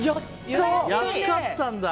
安かったんだ。